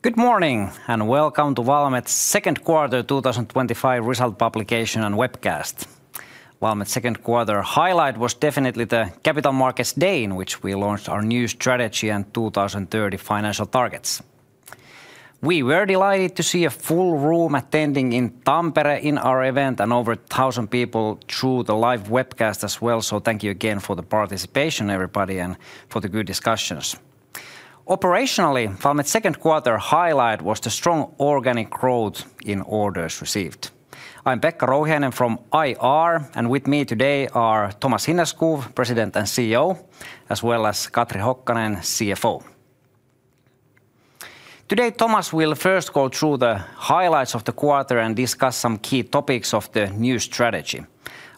Good morning, and welcome to Valmed's Second Quarter twenty twenty '5 Results Publication and Webcast. Valmed's second quarter highlight was definitely the Capital Markets Day in which we launched our new strategy and 2,030 financial targets. We were delighted to see a full room attending in Tampere in our event and over 1,000 people through the live webcast as well. So thank you again for the participation everybody and for the good discussions. Operationally, Vamed's second quarter highlight was the strong organic growth in orders received. I'm Pekka Rojenen from IR. And with me today are Thomas Hineskov, President and CEO as well as Katri Hockenen, CFO. Today, Thomas will first go through the highlights of the quarter and discuss some key topics of the new strategy.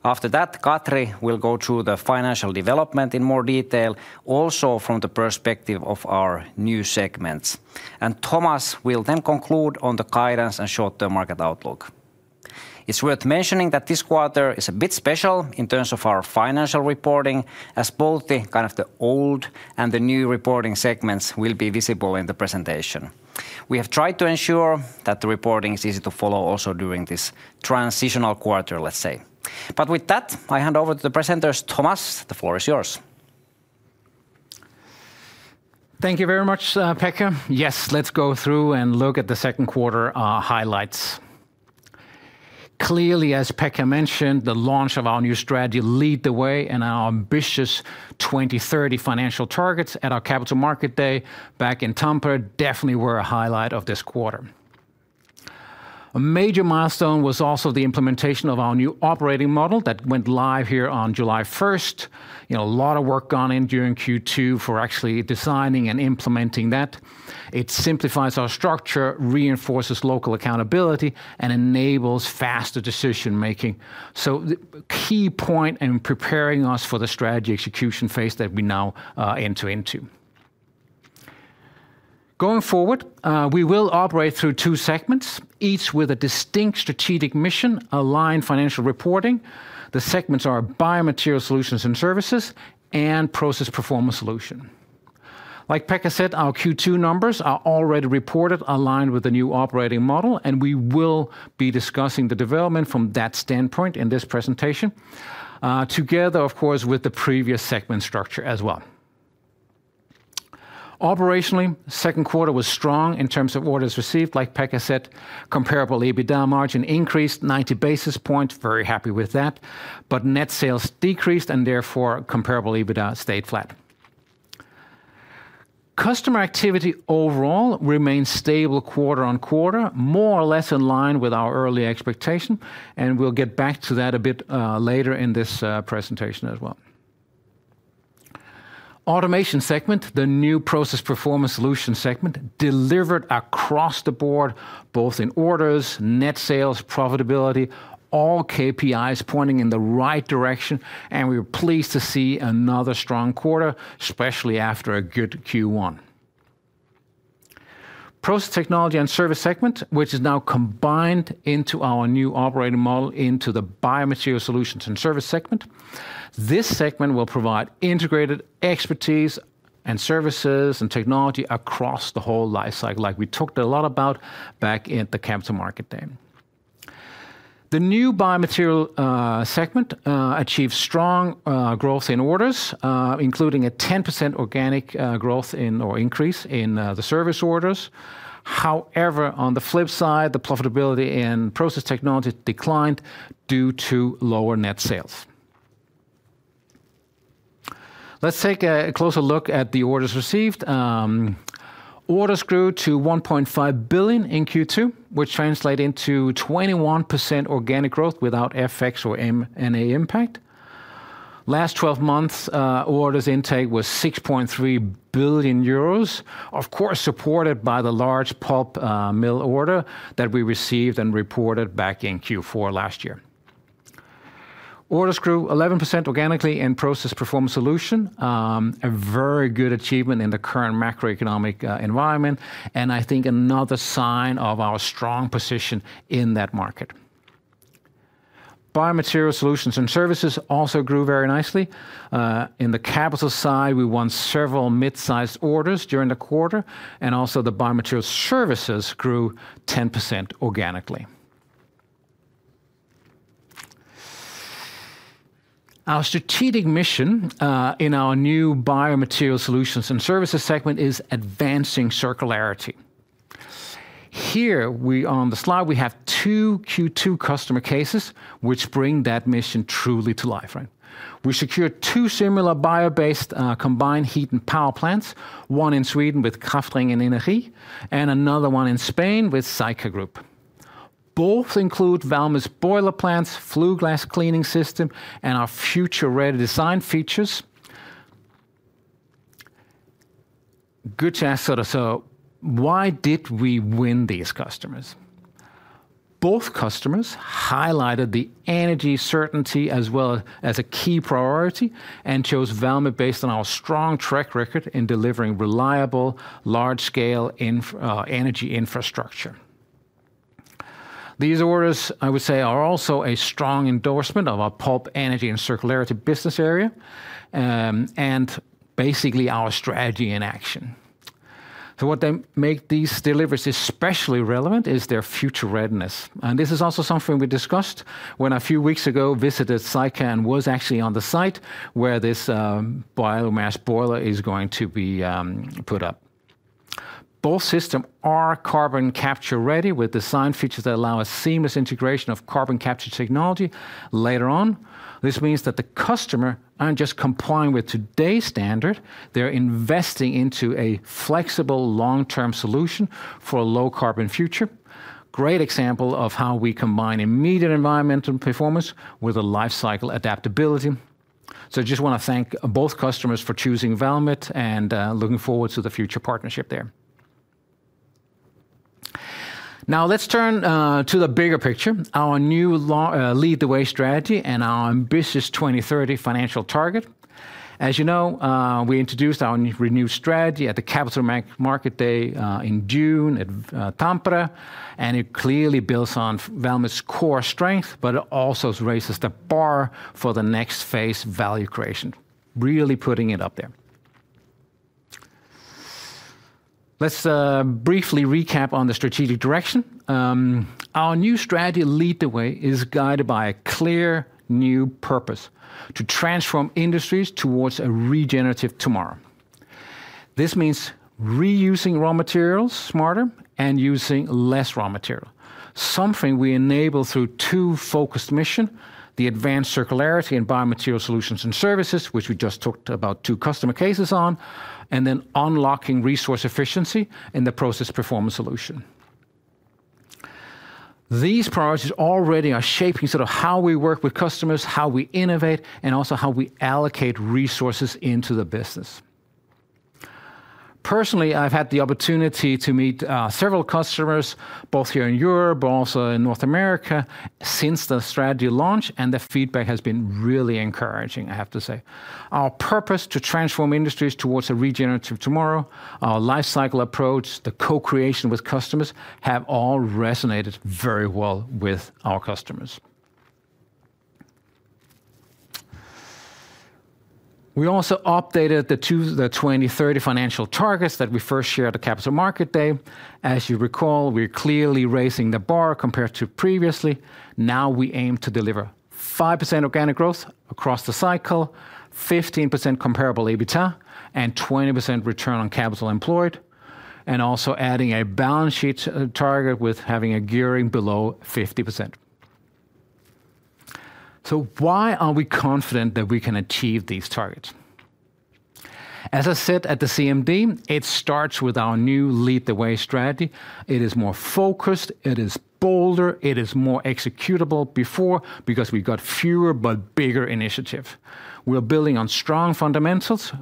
After that, Kathri will go through the financial development in more detail, also from the perspective of our new segments. And Thomas will then conclude on the guidance and short term market outlook. It's worth mentioning that this quarter is a bit special in terms of our financial reporting as both the kind of the old and the new reporting segments will be visible in the presentation. We have tried to ensure that the reporting is easy to follow also during this transitional quarter, let's say. But with that, I hand over to the presenters. Thomas, the floor is yours. Thank you very much, Pekka. Yes, let's go through and look at the second quarter highlights. Clearly, as Pekka mentioned, the launch of our new strategy lead the way and our ambitious 2030 financial targets at our Capital Market Day back in Tampere definitely were a highlight of this quarter. A major milestone was also the implementation of our new operating model that went live here on July 1. A lot of work gone in during Q2 for actually designing and implementing that. It simplifies our structure, reinforces local accountability and enables faster decision making. So the key point in preparing us for the strategy execution phase that we now enter into. Going forward, we will operate through two segments, each with a distinct strategic mission, aligned financial reporting. The segments are Biomaterial Solutions and Services and Process Performance Solutions. Like Pekka said, our Q2 numbers are already reported aligned with the new operating model and we will be discussing the development from that standpoint in this presentation together of course with the previous segment structure as well. Operationally, second quarter was strong in terms of orders received like Pekka said. Comparable EBITDA margin increased 90 basis points, very happy with that, But net sales decreased and therefore comparable EBITDA stayed flat. Customer activity overall remained stable quarter on quarter more or less in line with our early expectation and we'll get back to that a bit later in this presentation as well. Automation segment, the new Process Performance Solutions segment delivered across the board both in orders, net sales, profitability, all KPIs pointing in the right direction and we were pleased to see another strong quarter, especially after a good Q1. Process technology and service segment, which is now combined into our new operating model into the Biomaterial Solutions and Service segment. This segment will provide integrated expertise and services and technology across the whole life cycle like we talked a lot about back in the Capital Market Day. The new biomaterial segment achieved strong growth in orders, including a 10% organic growth or increase in the service orders. However, on the flip profitability in Process Technologies declined due to lower net sales. Let's take a closer look at the orders received. Orders grew to 1,500,000,000.0 in Q2, which translate into 21% organic growth without FX or M and A impact. Last twelve months orders intake was €6,300,000,000 of course supported by the large pulp mill order that we received and reported back in Q4 last year. Orders grew 11% organically in Process Performance Solutions, a very good achievement in the current macroeconomic environment and I think another sign of our strong position in that market. Biomaterial Solutions and Services also grew very nicely. In the capital side, we won several mid sized orders during the quarter and also the Biomaterial Services grew 10% organically. Our strategic mission in our new biomaterial solutions and services segment is advancing circularity. Here we on the slide we have two Q2 customer cases, which bring that mission truly to life. We secured two similar Bayer based combined heat and power plants, one in Sweden with Krafring and Innery and another one in Spain with Sika Group. Both include Valme's boiler plants, flue glass cleaning system and our future ready design features. Good to ask sort of, so why did we win these customers? Both customers highlighted the energy certainty as well as a key priority and chose Velma based on our strong track record in delivering reliable large scale energy infrastructure. These orders, I would say, are also a strong endorsement of our pulp energy and circularity business area and basically our strategy in action. So what then make these deliveries especially relevant is their future readiness. And this is also something we discussed when a few weeks ago visited Saican was actually on the site where this biomass boiler is going to be put up. Both systems are carbon capture ready with design features that allow a seamless integration of carbon capture technology later on. This means that the customer aren't just complying with today's standard, they're investing into a flexible long term solution for a low carbon future. Great example of how we combine immediate environmental performance with a life cycle adaptability. So I just want to thank both customers for choosing Valmet and looking forward to the future partnership there. Now let's turn to the bigger picture, our new lead the way strategy and our ambitious 2030 financial target. As you know, we introduced our renewed strategy at the Capital Market Day in June at Tampere and it clearly builds on Valmet's core strength, but it also raises the bar for the next phase value creation, really putting it up there. Let's briefly recap on the strategic direction. Our new strategy Lead the Way is guided by a clear new purpose: to transform industries towards a regenerative tomorrow. This means reusing raw materials smarter and using less raw material, something we enable through two focused mission: the advanced circularity in biomaterial solutions and services, which we just talked about two customer cases on, and then unlocking resource efficiency in the process performance solution. These priorities already are shaping sort of how we work with customers, how we innovate, and also how we allocate resources into the business. Personally, I've had the opportunity to meet several customers both here in Europe, also in North America since the strategy launch and the feedback has been really encouraging, I have to say. Our purpose to transform industries towards a regenerative tomorrow, our life cycle approach, the co creation with customers have all resonated very well with our customers. We also updated the 2,030 financial targets that we first shared at the Capital Market Day. As you recall, we're clearly raising the bar compared to previously. Now we aim to deliver 5% organic growth across the cycle, 15% comparable EBITA, and 20% return on capital employed, and also adding a balance sheet target with having a gearing below 50%. So why are we confident that we can achieve these targets? As I said at the CMD, it starts with our new Lead the Way strategy. It is more focused. It is bolder. It is more executable before because we got fewer but bigger initiative. We are building on strong fundamentals.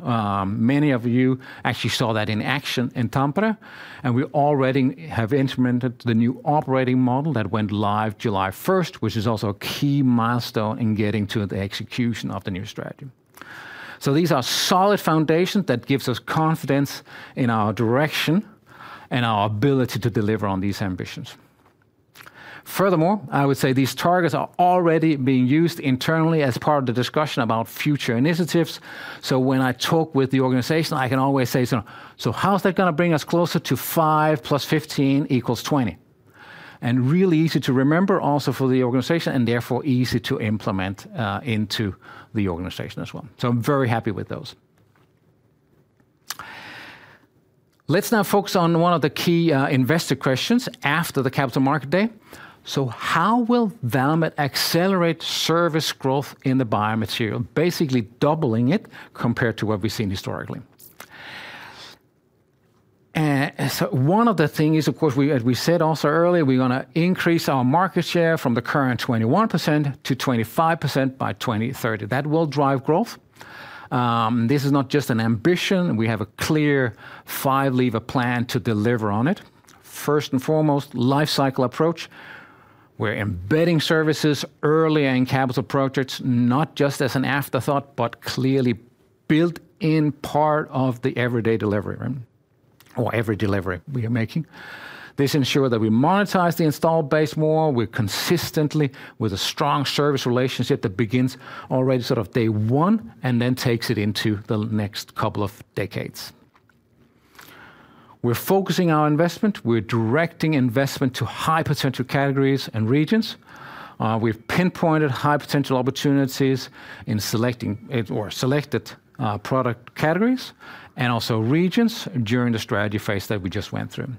Many of you actually saw that in action in Tampere. And we already have instrumented the new operating model that went live July 1, which is also a key milestone in getting to the execution of the new strategy. So these are solid foundations that gives us confidence in our direction and our ability to deliver on these ambitions. Furthermore, I would say these targets are already being used internally as part of the discussion about future initiatives, so when I talk with the organization I can always say, so how is that going to bring us closer to five plus 15 equals 20? And really easy to remember also for the organization and therefore easy to implement into the organization as well. So I'm very happy with those. Let's now focus on one of the key investor questions after the Capital Market Day. So how will Valmed accelerate service growth in the biomaterial, basically doubling it compared to what we've seen historically? So one of the things is of course, as we said also earlier, we're to increase our market share from the current 21 to 25% by 02/1930. That will drive growth. This is not just an ambition. We have a clear five lever plan to deliver on it. First and foremost, life cycle approach. We're embedding services early in capital projects not just as an afterthought, but clearly built in part of the everyday delivery or every delivery we are making. This ensures that we monetize the installed base more, we're consistently with a strong service relationship that begins already sort of day one and then takes it into the next couple of decades. We're focusing our investment. We're directing investment to high potential categories and regions. We've pinpointed high potential opportunities in selecting or selected product categories, and also regions during the strategy phase that we just went through.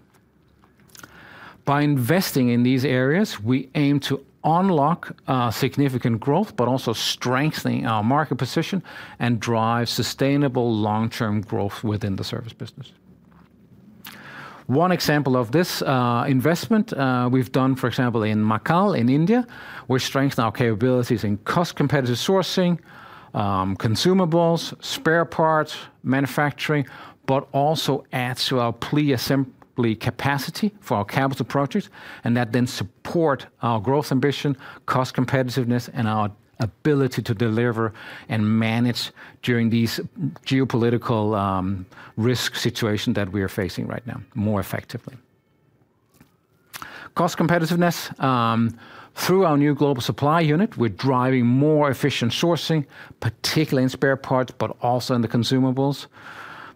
By investing in these areas, we aim to unlock significant growth, but also strengthening our market position and drive sustainable long term growth within the service business. One example of this investment we've done for example in Macao in India, we strengthened our capabilities in cost competitive sourcing, consumables, spare parts, manufacturing, but also adds to our pre assembly capacity for our capital projects and that then support our growth ambition, cost competitiveness and our ability to deliver and manage during these geopolitical risk situation that we are facing right now more effectively. Cost competitiveness. Through our new global supply unit, we're driving more efficient sourcing, particularly in spare parts, but also in the consumables.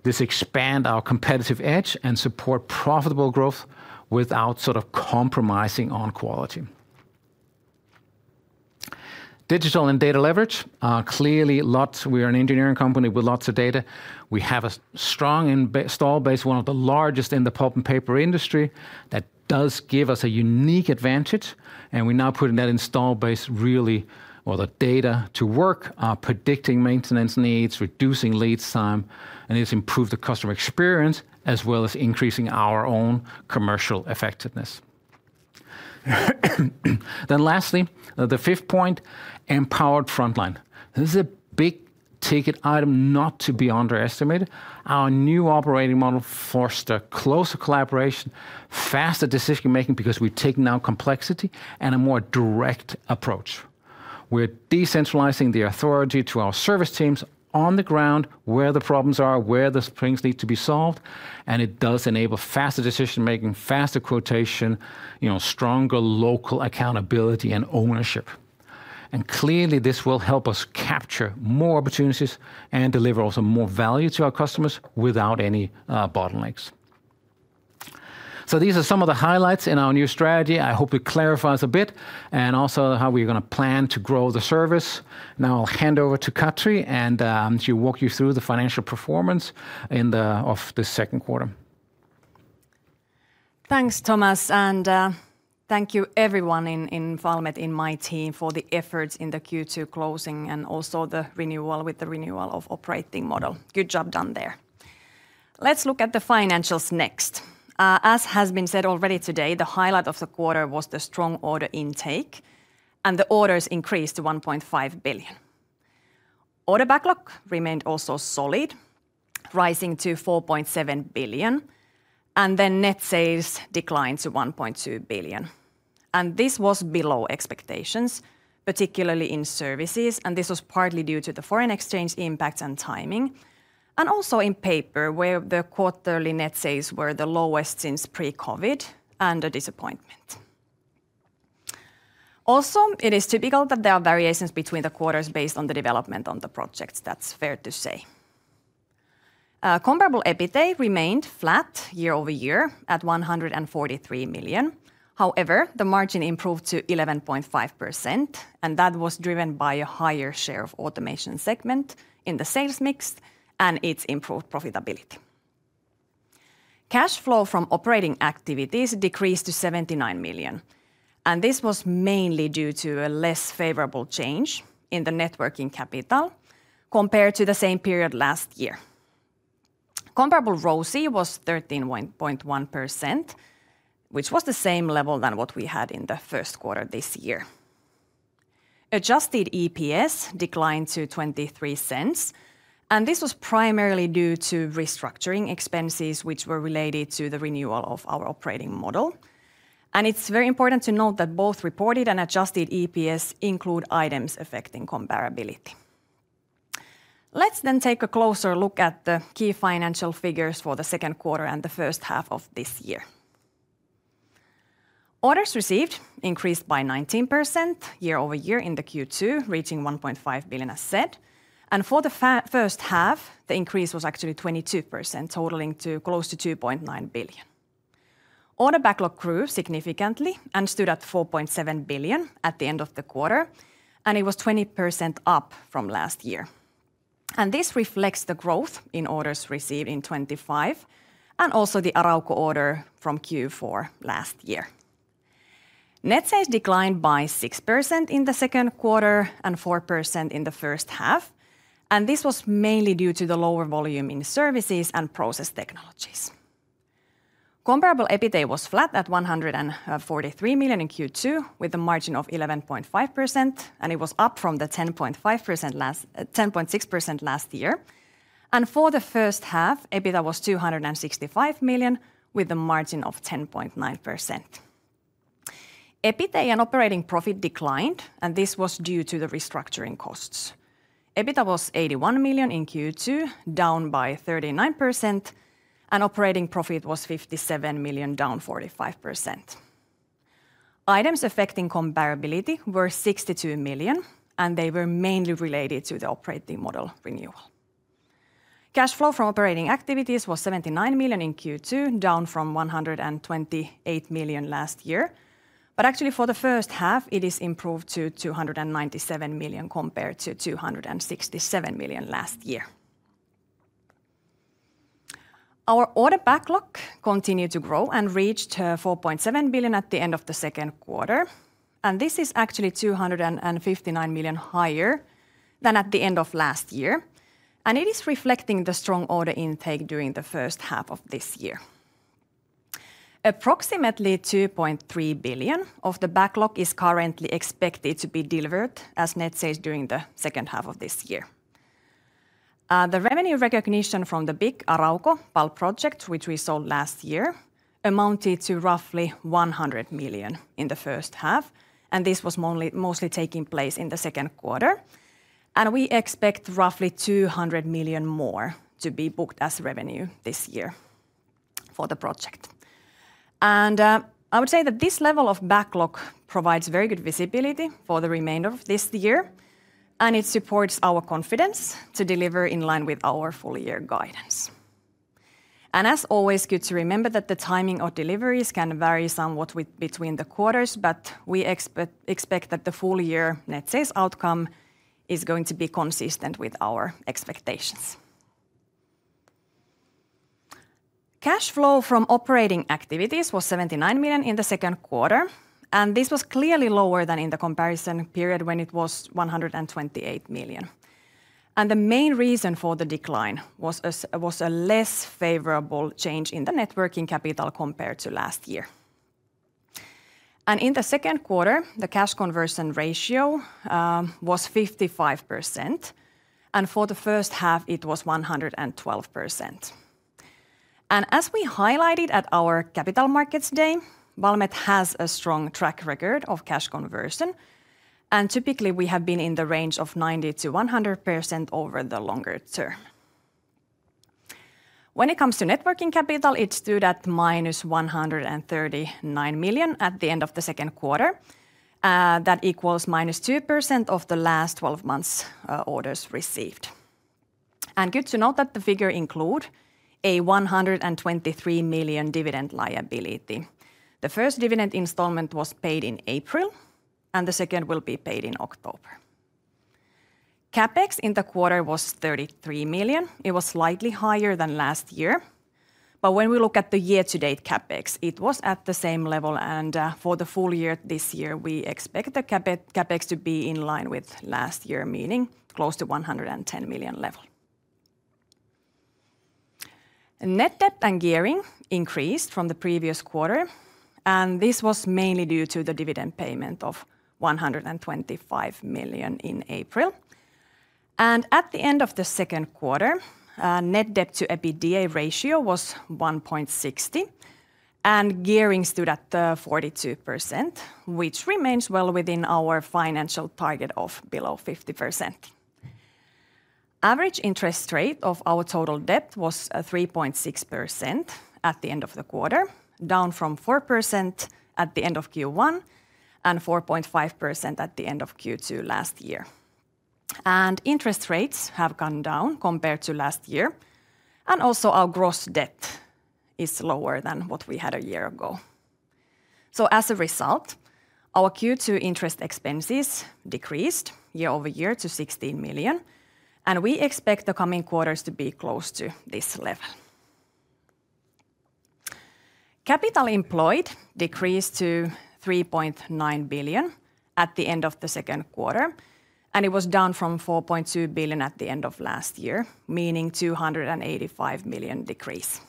This expands our competitive edge and supports profitable growth without sort of compromising on quality. Digital and data leverage, clearly lots. Are an engineering company with lots of data. We have a strong installed base, one of the largest in the pulp and paper industry that does give us a unique advantage and we're now putting that installed base really or the data to work, predicting maintenance needs, reducing lead time and it's improved the customer experience as well as increasing our own commercial effectiveness. Then lastly, the fifth point, empowered frontline. This is a big ticket item not to be underestimated. Our new operating model forced a closer collaboration, faster decision making because we take now complexity and a more direct approach. We're decentralizing the authority to our service teams on the ground where the problems are, where the springs need to be solved, and it does enable faster decision making, faster quotation, stronger local accountability and ownership. And clearly this will help us capture more opportunities and deliver also more value to our customers without any bottlenecks. So these are some of the highlights in our new strategy. I hope it clarifies a bit and also how we're going to plan to grow the service. Now I'll hand over to Katri and she will walk you through the financial performance of the second quarter. Thanks, Thomas, and thank you everyone in Valmet and my team for the efforts in the Q2 closing and also the renewal with the renewal of operating model. Good job done there. Let's look at the financials next. As has been said already today, the highlight of the quarter was the strong order intake, and the orders increased to €1,500,000,000 Order backlog remained also solid, rising to €4,700,000,000 And then net sales declined to €1,200,000,000 And this was below expectations, particularly in Services, and this was partly due to the foreign exchange impact and timing and also in Paper, where the quarterly net sales were the lowest since pre COVID and a disappointment. Also, it is typical that there are variations between the quarters based on the development on the projects. That's fair to say. Comparable EBITA remained flat year over year at €143,000,000 However, the margin improved to 11.5%, and that was driven by a higher share of Automation segment in the sales mix and its improved profitability. Cash flow from operating activities decreased to €79,000,000 and this was mainly due to a less favorable change in the net working capital compared to the same period last year. Comparable ROCE was 13.1%, which was the same level than what we had in the first quarter this year. Adjusted EPS declined to €0.23 and this was primarily due to restructuring expenses, which were related to the renewal of our operating model. And it's very important to note that both reported and adjusted EPS include items affecting comparability. Let's then take a closer look at the key financial figures for the second quarter and the first half of this year. Orders received increased by 19% year over year in the Q2, reaching €1,500,000,000 as said. And for the first half, the increase was actually 22%, totaling to close to €2,900,000,000 Order backlog grew significantly and stood at €4,700,000,000 at the end of the quarter, and it was 20% up from last year. And this reflects the growth in orders received in '25 and also the Arauco order from Q4 last year. Net sales declined by 6% in the second quarter and 4% in the first half, and this was mainly due to the lower volume in Services and Process Technologies. Comparable EBITA was flat at €143,000,000 in Q2 with a margin of 11.5%, and it was up from the 10.5% last 10.6% last year. And for the first half, EBITDA was €265,000,000 with a margin of 10.9%. EBITA and operating profit declined, and this was due to the restructuring costs. EBITA was €81,000,000 in Q2, down by 39%. And operating profit was €57,000,000 down 45%. Items affecting comparability were €62,000,000 and they were mainly related to the operating model renewal. Cash flow from operating activities was €79,000,000 in Q2, down from €128,000,000 last year. But actually, for the first half, it has improved to €297,000,000 compared to €267,000,000 last year. Our order backlog continued to grow and reached €4,700,000,000 at the end of the second quarter, and this is actually €259,000,000 higher than at the end of last year, and it is reflecting the strong order intake during the first half of this year. Approximately €2,300,000,000 of the backlog is currently expected to be delivered as net sales during the second half of this year. The revenue recognition from the big Arauco pulp project, which we sold last year, amounted to roughly €100,000,000 in the first half, and this was mostly taking place in the second quarter. And we expect roughly €200,000,000 more to be booked as revenue this year for the project. And I would say that this level of backlog provides very good visibility for the remainder of this year, and it supports our confidence to deliver in line with our full year guidance. And as always, good to remember that the timing of deliveries can vary somewhat between the quarters, but we expect that the full year net sales outcome is going to be consistent with our expectations. Cash flow from operating activities was €79,000,000 in the second quarter, and this was clearly lower than in the comparison period when it was €128,000,000 And the main reason for the decline was a less favorable change in the net working capital compared to last year. And in the second quarter, the cash conversion ratio was 55%. And for the first half, it was 112%. And as we highlighted at our Capital Markets Day, Valmet has a strong track record of cash conversion. And typically, we have been in the range of 90% to 100% over the longer term. When it comes to net working capital, it stood at minus €139,000,000 at the end of the second quarter. That equals minus 2% of the last twelve months' orders received. And good to note that the figure include a €123,000,000 dividend liability. The first dividend installment was paid in April, and the second will be paid in October. CapEx in the quarter was €33,000,000 It was slightly higher than last year. But when we look at the year to date CapEx, it was at the same level. And for the full year this year, we expect the CapEx to be in line with last year, meaning close to €110,000,000 level. Net debt and gearing increased from the previous quarter, and this was mainly due to the dividend payment of €125,000,000 in April. And at the end of the second quarter, net debt to EBITDA ratio was 1.6 euros and gearing stood at 42%, which remains well within our financial target of below 50%. Average interest rate of our total debt was 3.6% at the end of the quarter, down from 4% at the end of Q1 and 4.5% at the end of Q2 last year. And interest rates have gone down compared to last year. And also, our gross debt is lower than what we had a year ago. So as a result, our Q2 interest expenses decreased year over year to €16,000,000 and we expect the coming quarters to be close to this level. Capital employed decreased to €3,900,000,000 at the end of the second quarter, and it was down from €4,200,000,000 at the end of last year, meaning €285,000,000 decrease.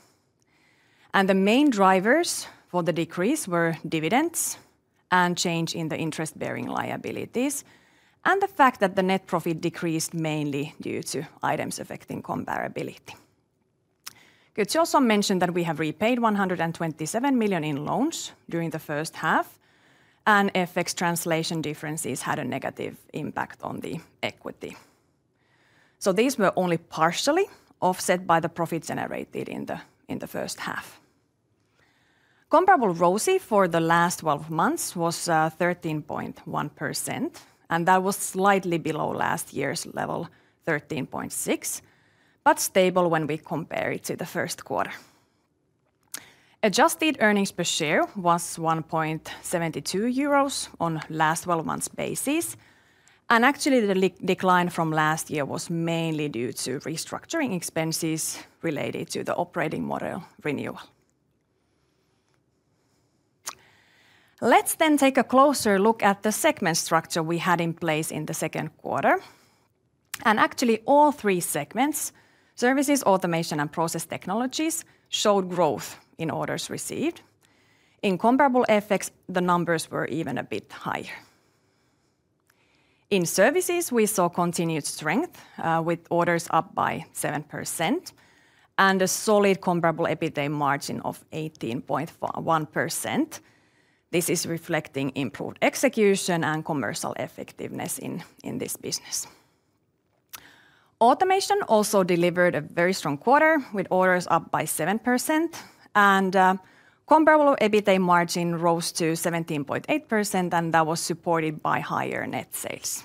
And the main drivers for the decrease were dividends and change in the interest bearing liabilities and the fact that the net profit decreased mainly due to items affecting comparability. Gutsi also mentioned that we have repaid €127,000,000 in loans during the first half, and FX translation differences had a negative impact on the equity. So these were only partially offset by the profit generated in the first half. Comparable ROCE for the last twelve months was 13.1%, and that was slightly below last year's level, 13.6%, but stable when we compare it to the first quarter. Adjusted earnings per share was €1.72 on last twelve months basis. And actually, the decline from last year was mainly due to restructuring expenses related to the operating model renewal. Let's then take a closer look at the segment structure we had in place in the second quarter. And actually, all three segments, Services, Automation and Process Technologies, showed growth in orders received. In comparable FX, the numbers were even a bit higher. In Services, we saw continued strength with orders up by 7% and a solid comparable EBITA margin of 18.1%. This is reflecting improved execution and commercial effectiveness in this business. Automation also delivered a very strong quarter with orders up by 7%. And comparable EBITA margin rose to 17.8%, and that was supported by higher net sales.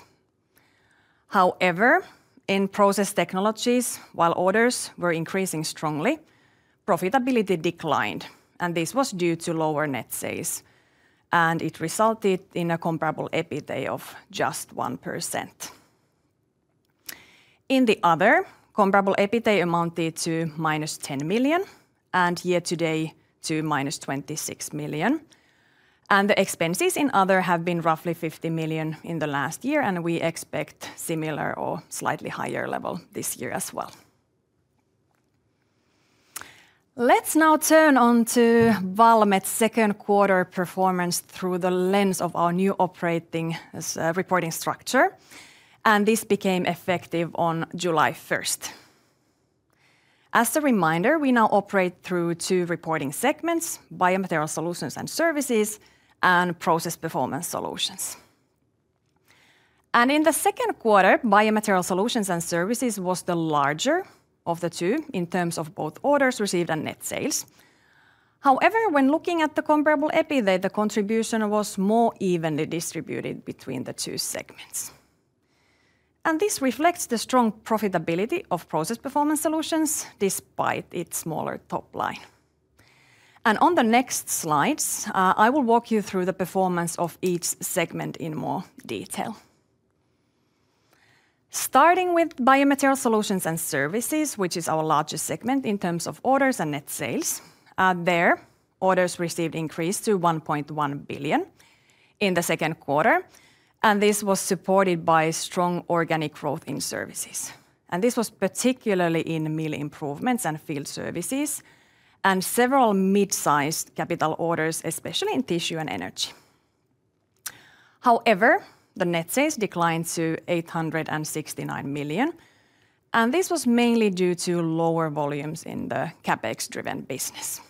However, in Process Technologies, while orders were increasing strongly, profitability declined, and this was due to lower net sales. And it resulted in a comparable EBITA of just 1%. In the Other, comparable EBITA amounted to minus 10,000,000 and year to date to minus €26,000,000 And the expenses in other have been roughly €50,000,000 in the last year, and we expect similar or slightly higher level this year as well. Let's now turn on to Valomed's second quarter performance through the lens of our new operating reporting structure, and this became effective on July 1. As a reminder, we now operate through two reporting segments, Biomaterial Solutions and Services and Process Performance Solutions. And in the second quarter, Biomaterial Solutions and Services was the larger of the two in terms of both orders received and net sales. However, when looking at the comparable EBITDA, the contribution was more evenly distributed between the two segments. And this reflects the strong profitability of Process Performance Solutions despite its smaller top line. And on the next slides, I will walk you through the performance of each segment in more detail. Starting with Biomaterial Solutions and Services, which is our largest segment in terms of orders and net sales. There, orders received increased to €1,100,000,000 in the second quarter, and this was supported by strong organic growth in Services. And this was particularly in mill improvements and field services and several midsized capital orders, especially in Tissue and Energy. However, the net sales declined to $869,000,000 and this was mainly due to lower volumes in the CapEx driven business.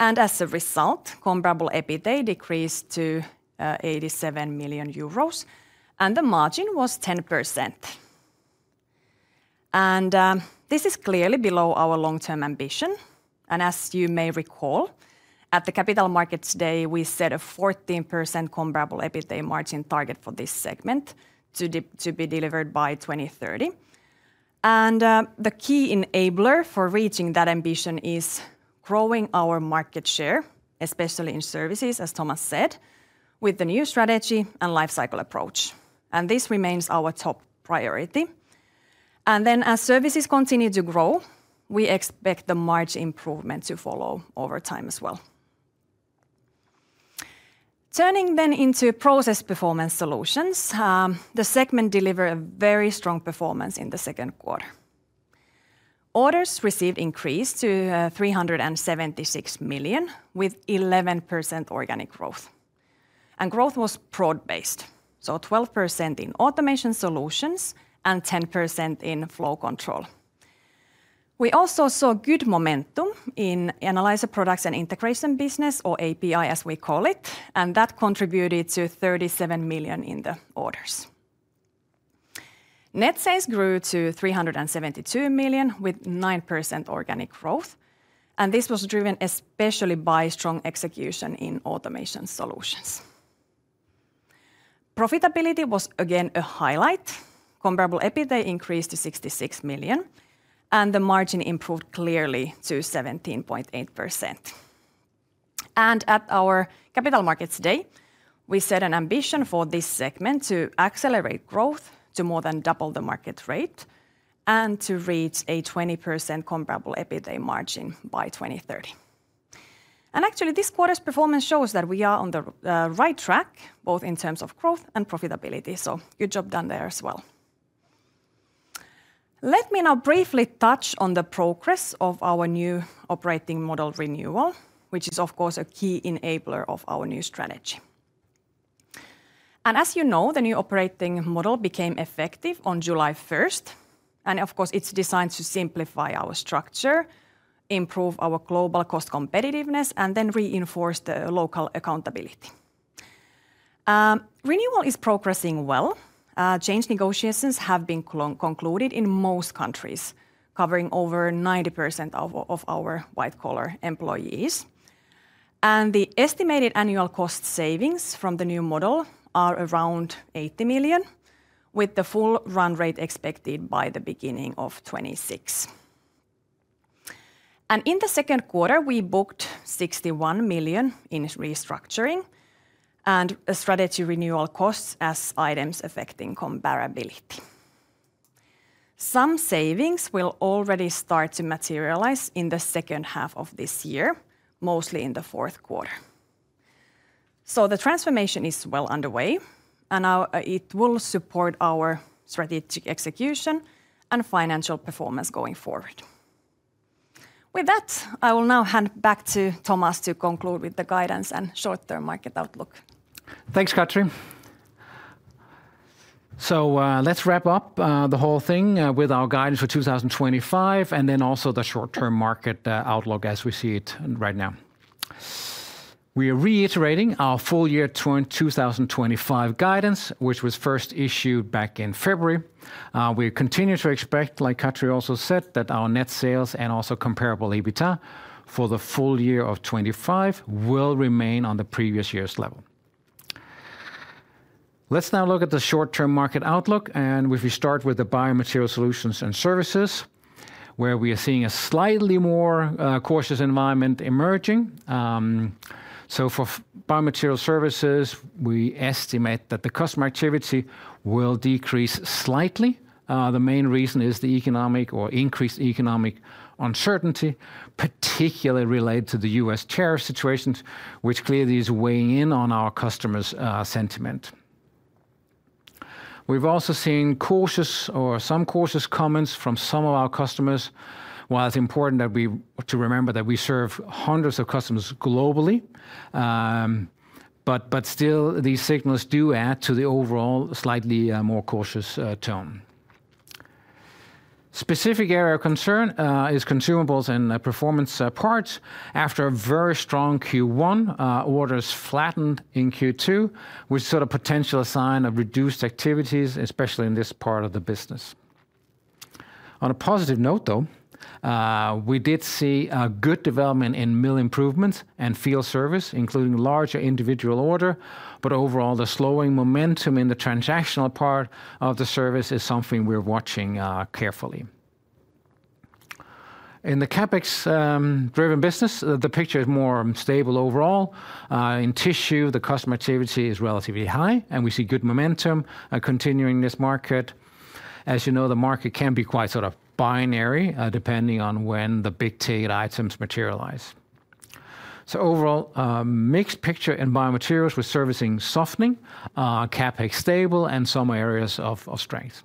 And as a result, comparable EBITA decreased to €87,000,000 and the margin was 10%. And this is clearly below our long term ambition. And as you may recall, at the Capital Markets Day, we set a 14% comparable EBITA margin target for this segment to be delivered by 02/1930. And the key enabler for reaching that ambition is growing our market share, especially in Services, as Thomas said, with the new strategy and life cycle approach. And this remains our top priority. And then as services continue to grow, we expect the margin improvement to follow over time as well. Turning then into Process Performance Solutions. The segment delivered a very strong performance in the second quarter. Orders received increased to EUR $376,000,000 with 11% organic growth. And growth was broad based, so 12% in Automation Solutions and 10% in Flow Control. We also saw good momentum in Analyzer Products and Integration business, or API, as we call it, and that contributed to €37,000,000 in the orders. Net sales grew to €372,000,000 with 9% organic growth, and this was driven especially by strong execution in Automation Solutions. Profitability was again a highlight. Comparable EBITDA increased to €66,000,000 and the margin improved clearly to 17.8%. And at our Capital Markets Day, we set an ambition for this segment to accelerate growth to more than double the market rate and to reach a 20% comparable EBITDA margin by 02/1930. And actually, this quarter's performance shows that we are on the right track, both in terms of growth and profitability. So good job done there as well. Let me now briefly touch on the progress of our new operating model renewal, which is, of course, a key enabler of our new strategy. And as you know, the new operating model became effective on July 1. And of course, it's designed to simplify our structure, improve our global cost competitiveness and then reinforce the local accountability. Renewal is progressing well. Change negotiations have been concluded in most countries, covering over 90% of our white collar employees. And the estimated annual cost savings from the new model are around €80,000,000 with the full run rate expected by the beginning of twenty twenty six. And in the second quarter, we booked €61,000,000 in restructuring and strategy renewal costs as items affecting comparability. Some savings will already start to materialize in the second half of this year, mostly in the fourth quarter. So the transformation is well underway, and it will support our strategic execution and financial performance going forward. With that, I will now hand back to Thomas to conclude with the guidance and short term market outlook. Thanks, Katri. So let's wrap up the whole thing with our guidance for 2025 and then also the short term market outlook as we see it right now. We are reiterating our full year 2025 guidance, which was first issued back in February. We continue to expect like Katri also said that our net sales and also comparable EBITDA for the full year of 2025 will remain on the previous year's level. Let's now look at the short term market outlook and if we start with the Biomaterial Solutions and Services where we are seeing a slightly more cautious environment emerging. So for Biomaterial Services, we estimate that the customer activity will decrease slightly. The main reason is the economic or increased economic uncertainty, particularly related to The U. S. Tariff situations, which clearly is weighing in on our customers' sentiment. We've also seen cautious or some cautious comments from some of our customers. While it's important that we to remember that we serve hundreds of customers globally, But still these signals do add to the overall slightly more cautious tone. Specific area of concern is consumables and performance parts. After a very strong Q1, orders flattened in Q2, we saw the potential sign of reduced activities, especially in this part of the business. On a positive note though, we did see a good development in mill improvements and field service including larger individual order, but overall the slowing momentum in the transactional part of the service is something we're watching carefully. In the CapEx driven business, the picture is more stable overall. In tissue, the customer activity is relatively high and we see good momentum continuing this market. As you know, the market can be quite sort of binary depending on when the big ticket items materialize. So overall, mixed picture in biomaterials were servicing softening, CapEx stable and some areas of strength.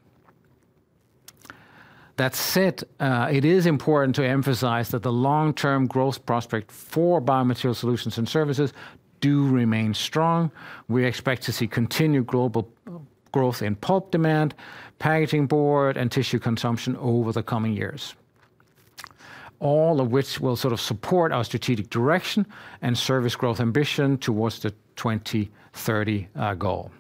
That said, it is important to emphasize that the long term growth prospect for biomaterial solutions and services do remain strong. We expect to see continued global growth in pulp demand, packaging board and tissue consumption over the coming years. All of which will sort of support our strategic direction and service growth ambition towards the 2030 goal.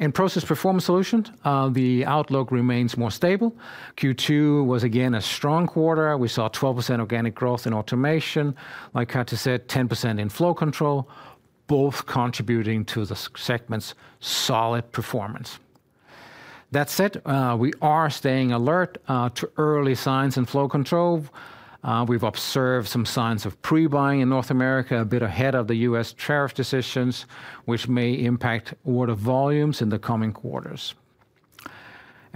In Process Performance Solutions, the outlook remains more stable. Q2 was again a strong quarter. We saw 12% organic growth in automation, like Cartier said, 10% in flow control, both contributing to the segment's solid performance. That said, we are staying alert to early signs in flow control. We've observed some signs of pre buying in North America a bit ahead of The U. S. Tariff decisions, which may impact order volumes in the coming quarters.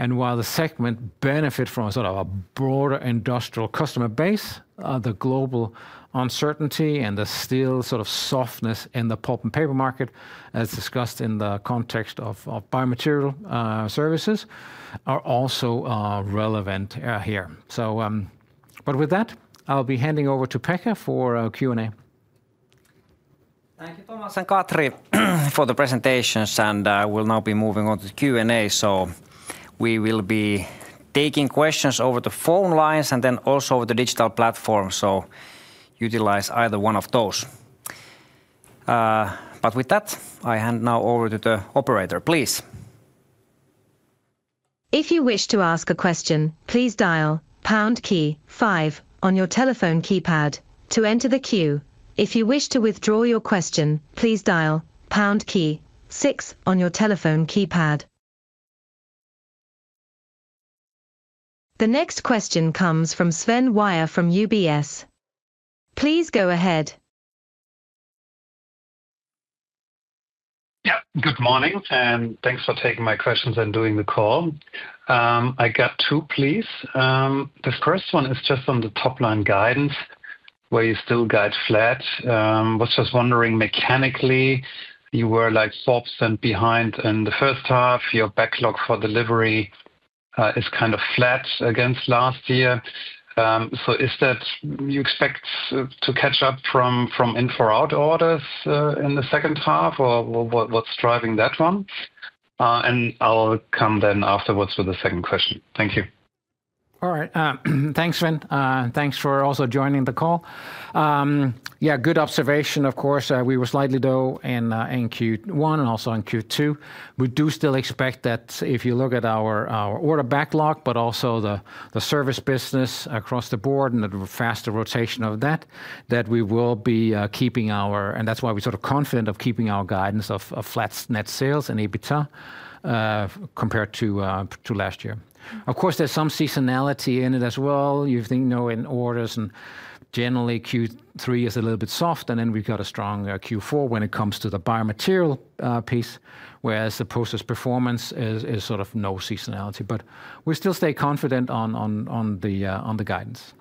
And while the segment benefit from sort of a broader industrial customer base, the global uncertainty and the still sort of softness in the pulp and paper market as discussed in the context of biomaterial services are also relevant here. So but with that, I'll be handing over to Pekka for Q and A. Thank you, Thomas and Katri, for the presentations, and we'll now be moving on to Q and A. So we will be taking questions over the phone lines and then also the digital platform, so utilize either one of those. But with that, I hand now over to the operator, please. The next question comes from Sven Wyre from UBS. Please go ahead. Yes. Good morning and thanks for taking my questions and doing the call. I got two, please. The first one is just on the top line guidance where you still guide flat. I was just wondering mechanically, you were like swaps and behind in the first half, your backlog for delivery is kind of flat against last year. So is that you expect to catch up from in for out orders in the second half or what's driving that one? And I'll come then afterwards with the second question. Thank you. All right. Thanks, Sven. Thanks for also joining the call. Yes, good observation of course. We were slightly low in Q1 and also in Q2. We do still expect that if you look at our order backlog, but also the service business across the board and the faster rotation of that, that we will be keeping our and that's why we're sort of confident of keeping our guidance of flat net sales and EBITDA compared to last year. Of course, there's some seasonality in it as well. You think in orders and generally Q3 is a little bit soft and then we've got a strong Q4 when it comes to the biomaterial piece whereas the process performance is sort of no seasonality. But we still stay confident on the guidance.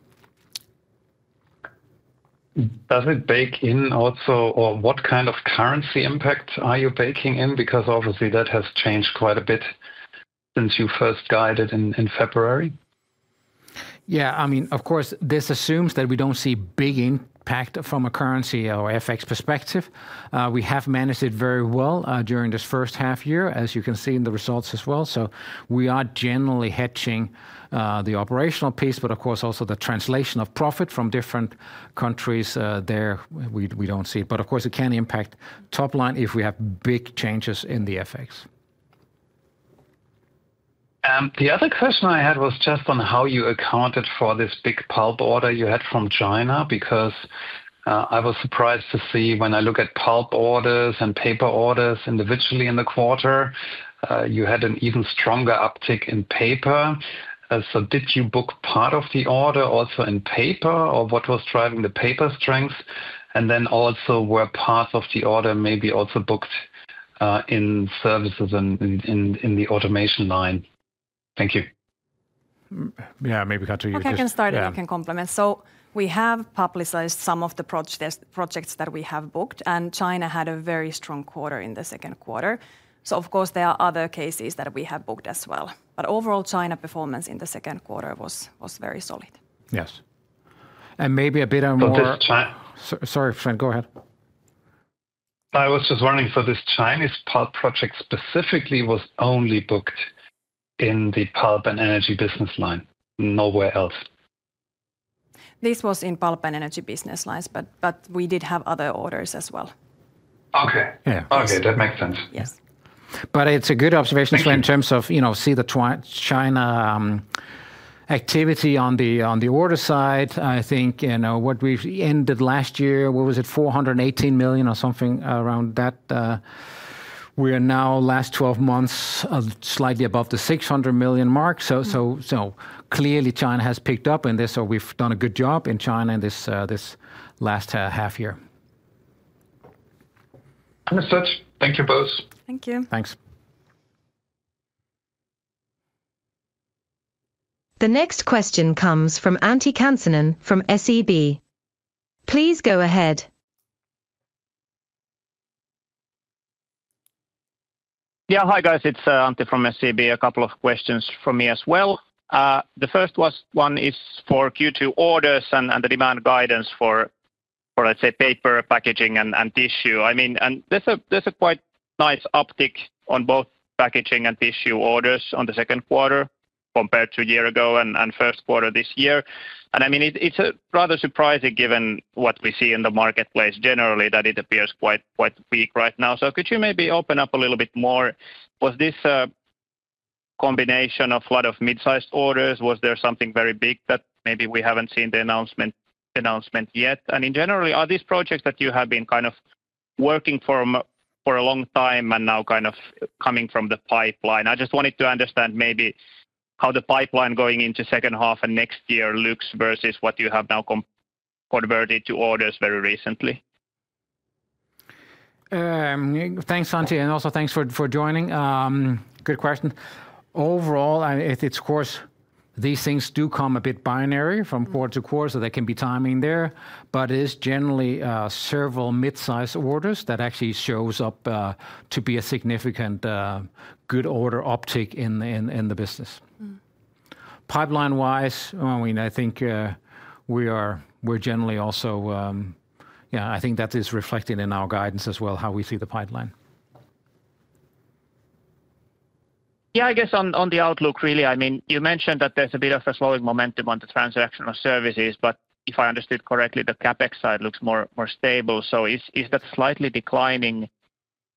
Does it bake in also or what kind of currency impact are you baking in? Because obviously that has changed quite a bit since you first guided in February. Yeah. I mean, of course, this assumes that we don't see big impact from a currency or FX perspective. We have managed it very well during this first half year as you can see in the results as well. So, we are generally hedging the operational piece, but of course also the translation of profit from different countries there we don't see. But of course, can impact top line if we have big changes in the FX. The other question I had was just on how you accounted for this big pulp order you had from China because I was surprised to see when I look at pulp orders and paper orders individually in the quarter, you had an even stronger uptick in paper. So did you book part of the order also in paper or what was driving the paper strength? And then also were part of the order maybe also booked in services and in the automation line? Yes, maybe I can start and I can complement. So we have publicized some of the projects that we have booked, and China had a very strong quarter in the second quarter. So of course, there are other cases that we have booked as well. But overall, performance in the second quarter was very solid. Yes. And maybe a bit more Sorry, Frank, go ahead. I was just wondering, so this Chinese pulp project specifically was only booked in the pulp and energy business line, nowhere else? This was in pulp and energy business lines, but we did have other orders as well. Okay. Okay. That makes sense. But it's a good observation in terms of see the China activity on the order side. I think what we've ended last year, what was it €418,000,000 or something around that. We are now last twelve months slightly above the €600,000,000 mark. So clearly China has picked up and so we've done a good job in China in this last half year. Understood. Thank you both. Thank you. Thanks. The next question comes from Antti Kansanen from SEB. Please go ahead. Yes. Hi, guys. It's Antti from SEB. A couple of questions from me as well. The first one is for Q2 orders and the demand guidance for, let's say, Paper Packaging and Tissue. I mean and there's a quite nice uptick on both Packaging and Tissue orders on the second quarter compared to a year ago and first quarter this year. And I mean, it's rather surprising given what we see in the marketplace generally that it appears quite weak right now. So could you maybe open up a little bit more? Was this a combination of a lot of midsized orders? Was there something very big that maybe we haven't seen the announcement yet? I mean, generally, are these projects that you have been kind of working for a long time and now kind of coming from the pipeline? I just wanted to understand maybe how the pipeline going into second half and next year looks versus what you have now converted to orders very recently? Thanks, Santi, and also thanks for joining. Good question. Overall, it's of course these things do come a bit binary from quarter to quarter, so there can be timing there. But it is generally several midsized orders that actually shows up to be a significant good order uptick in the business. Pipeline wise, I mean, I think we are we're generally also I think that is reflected in our guidance as well how we see the pipeline. Yeah. I guess on the outlook really, I mean, you mentioned that there's a bit of a slowing momentum on the transactional services. But if I understood correctly, the CapEx side looks more stable. So is that slightly declining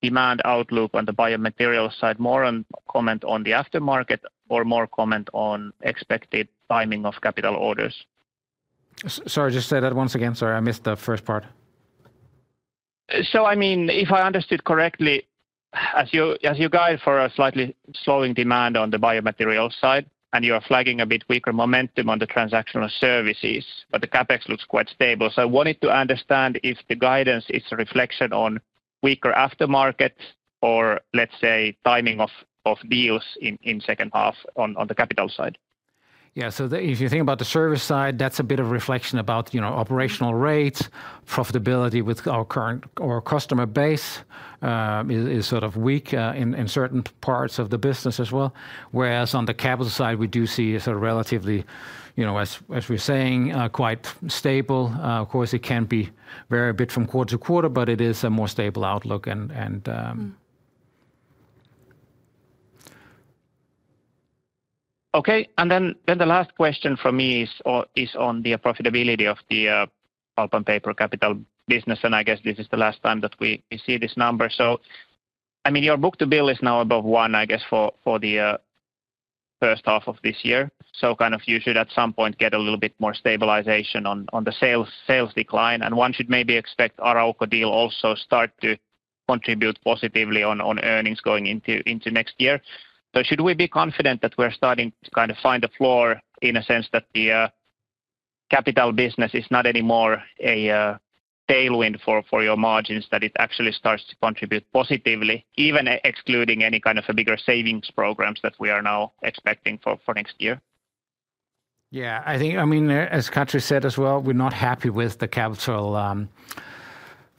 demand outlook on the Biomaterials side more comment on the aftermarket or more comment on expected timing of capital orders? Sorry, just say that once again. Sorry, missed the first part. So I mean, if I understood correctly, as you guide for a slightly slowing demand on the biomaterial side and you are flagging a bit weaker momentum on the transactional services, but the CapEx looks quite stable. So I wanted to understand if the guidance is a reflection on weaker aftermarket or let's say timing of deals in second half on the capital side? Yeah. So if you think about the service side, that's a bit of reflection about operational rates, profitability with our current our customer base is sort of weak in certain parts of the business as well. Whereas on the capital side, we do see a sort of relatively as we're saying quite stable. Of course, it can be very bit from quarter to quarter, but it is a more stable outlook and Okay. And then the last question from me is on the profitability of the Pulp and Paper capital business. And I guess this is the last time that we see this number. So I mean your book to bill is now above one, I guess, for the first half of this year. So kind of you should at some point get a little bit more stabilization on the sales decline. And one should maybe expect Arauco deal also start to contribute positively on earnings going into next year. So should we be confident that we're starting to kind of find a floor in a sense that the capital business is not anymore a tailwind for your margins that it actually starts to contribute positively, even excluding any kind of a bigger savings programs that we are now expecting for next year? Yeah. I think I mean as Katri said as well, we're not happy with the capital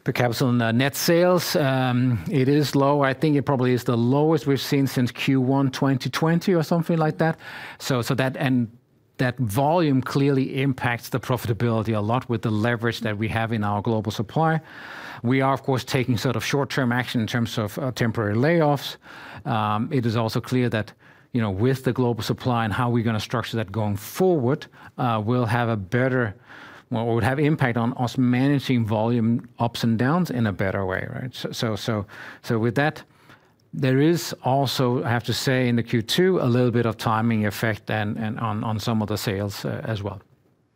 the capital net sales. It is low. I think it probably is the lowest we've seen since Q1 twenty twenty or something like that. So that and that volume clearly impacts the profitability a lot with the leverage that we have in our global supply. We are of course taking sort of short term action in terms of temporary layoffs. It is also clear that with the global supply and how we're going to structure that going forward, we'll have a better we'll have impact on us managing volume ups and downs in a better way, right? So with that, there is also, I have to say in the Q2, a little bit of timing effect on some of the sales as well.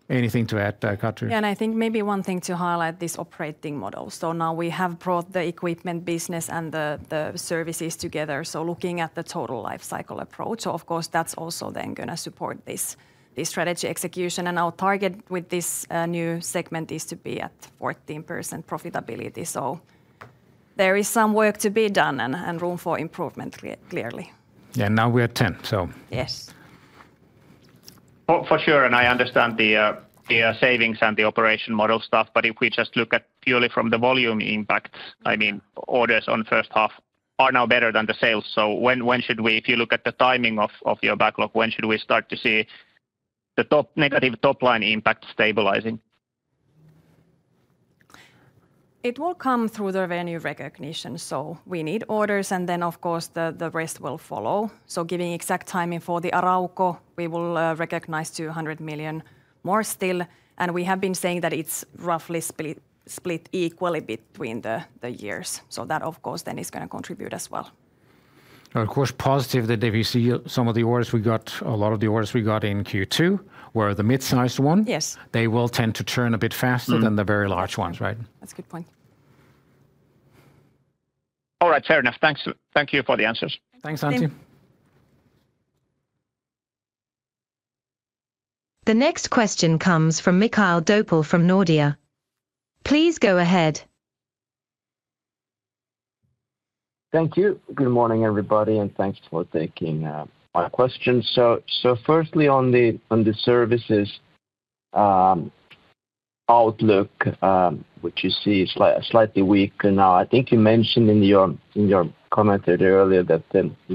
Anything to add, Katri? Yes. And I think maybe one thing to highlight is operating model. So now we have brought the equipment business and the services together, so looking at the total life cycle approach. So of course, that's also then going to support this strategy execution. And our target with this new segment is to be at 14% profitability. So there is some work to be done and room for improvement clearly. Yes. Now we're at 10%, so Yes. For sure. And I understand the savings and the operation model stuff. But if we just look at purely from the volume impact, I mean, orders on first half are now better than the sales. So when should we if you look at the timing of your backlog, when should we start to see the negative top line impact stabilizing? It will come through the revenue recognition. So we need orders, and then, of course, the rest will follow. So giving exact timing for the Arauco, we will recognize 200,000,000 more still. And we have been saying that it's roughly split equally between the years. So that, of course, then is going to contribute as well. Of course, that if you see some of the orders we got a lot of the orders we got in Q2 were the midsized ones, they will tend to churn a bit faster than the very large ones, right? That's a good point. All right. Fair enough. Thanks. Thank you for the answers. Thanks, Antti. The next question comes from Mikhail Doppel from Nordea. Please go ahead. Thank you. Good morning, everybody, and thanks for taking my questions. So firstly, on the services outlook, which you see slightly weaker now. I think you mentioned in your commented earlier that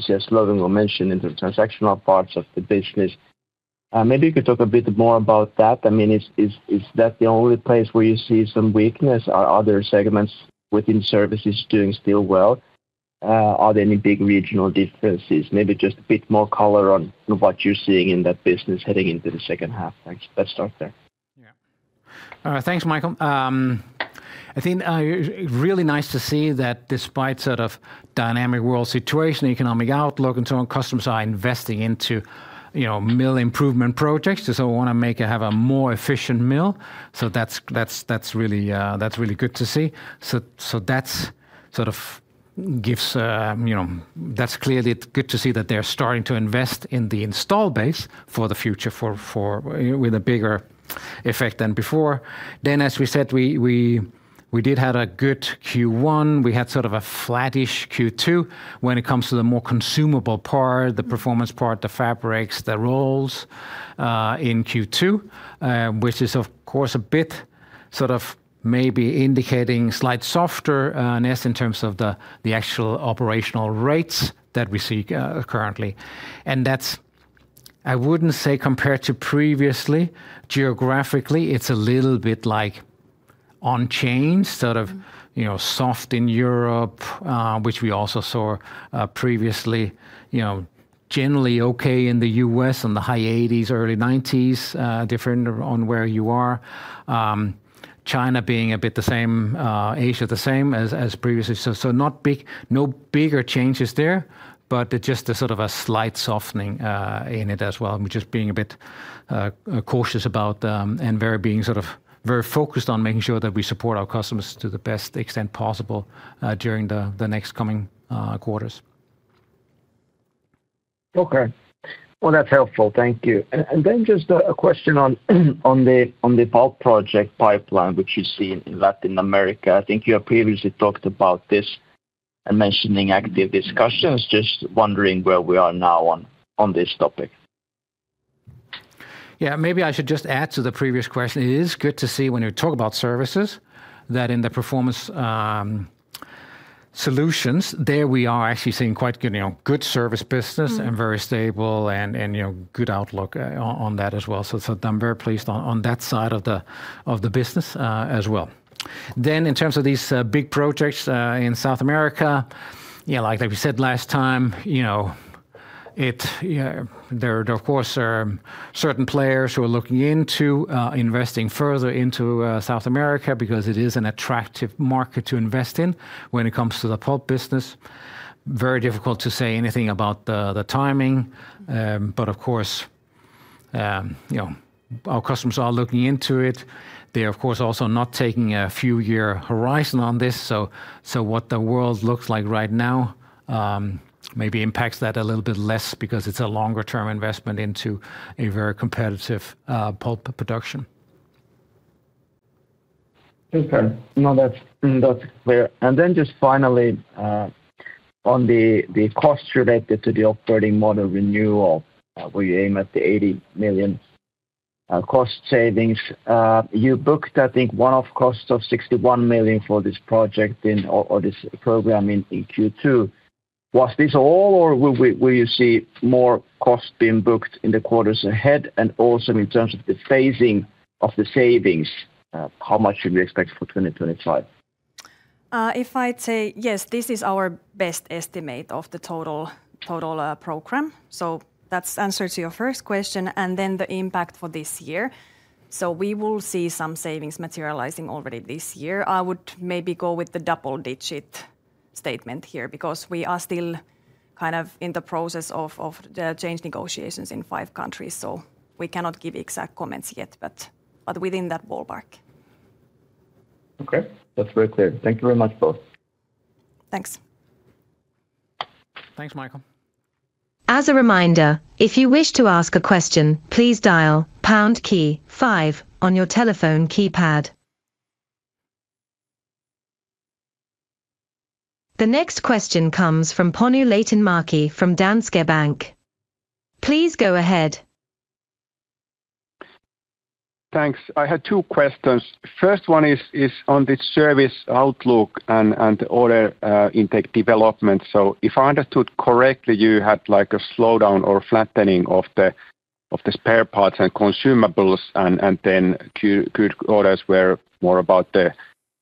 just Logan mentioned in the transactional parts of the business. Maybe you could talk a bit more about that. I mean, that the only place where you see some weakness? Are other segments within services doing still well? Are there any big regional differences? Maybe just a bit more color on what you're seeing in that business heading into the second half? Thanks. Let's start there. Thanks, Michael. I think really nice to see that despite sort of dynamic world situation, economic outlook and so on, customers are investing into mill improvement projects. So we want to make it have a more efficient mill. So that's really good to see. So that sort of gives that's clearly good to see that they're starting to invest in the installed base for the future for with a bigger effect than before. Then as we said, we did have a good Q1. We had sort of a flattish Q2 when it comes to the more consumable part, the performance part, the fabrics, the rolls in Q2, which is of course a bit sort of maybe indicating slight softerness in terms of the actual operational rates that we see currently. And that's I wouldn't say compared to previously. Geographically, it's a little bit like unchanged sort of soft in Europe, which we also saw previously. Generally okay in The U. S. In the high 80s, early 90s, different on where you are. China being a bit the same, Asia the same as previously. So not big no bigger changes there, but just a sort of a slight softening in it as well. We're just being a bit cautious about and very being sort of very focused on making sure that we support our customers to the best extent possible during the next coming quarters. Okay. Well, that's helpful. Thank you. And then just a question on the pulp project pipeline, which you see in Latin America. I think you have previously talked about this and mentioning active discussions. Just wondering where we are now on this topic. Yes. Maybe I should just add to the previous question. It is good to see when you talk about services that in the Performance Solutions, there we are actually seeing quite good service business and very stable and good outlook on that as well. So I'm very pleased on that side of the business as well. Then in terms of these big projects in South America, like we said last time, are of course certain players who are looking into investing further into South America because attractive market to invest in when it comes to the pulp business. Very difficult to say anything about the timing, but of course our customers are looking into it. They are of course also not taking a few year horizon on this. So what the world looks like right now maybe impacts that a little bit less because it's a longer term investment into a very competitive pulp production. Okay. No, that's clear. And then just finally, on the cost related to the operating model renewal, we aim at the 80,000,000 cost savings. You booked, I think, one off costs of 61,000,000 for this project in or this program in Q2. Was this all or will you see more cost being booked in the quarters ahead? And also in terms of the phasing of the savings, how much should we expect for 2025? If I say, yes, this is our best estimate of the total program. So that's answer to your first question. And then the impact for this year, so we will see some savings materializing already this year. I would maybe go with the double digit statement here because we are still kind of in the process of the change negotiations in five countries. So we cannot give exact comments yet, within that ballpark. Okay. That's very clear. Thank you very much, both. The next question comes from Ponu Leitenmarki from Danske Bank. I had two questions. First one is on the service outlook and order intake development. So if I understood correctly, you had like a slowdown or flattening of the spare parts and consumables and then good orders were more about the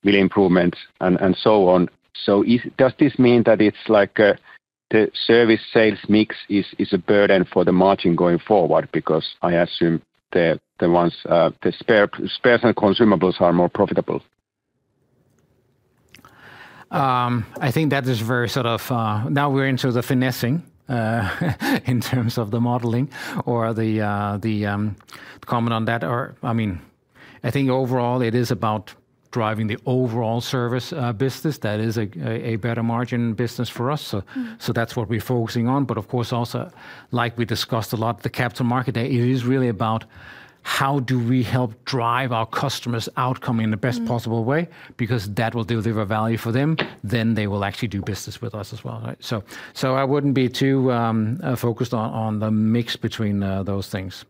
mill improvements and so on. So does this mean that it's like the service sales mix is a burden for the margin going forward because I assume that the ones the spares and consumables are more profitable? I think that is very sort of now we're into the finessing in terms of the modeling or the comment on that or I mean, I think overall it is about driving the overall service business that is a better margin business for us. So that's what we're focusing on. But of course also like we discussed a lot, the Capital Market Day is really about how do we help drive our customers' outcome in the best possible way because that will deliver value for them, then they will actually do business with us as well. So, I wouldn't be too focused on the mix between those things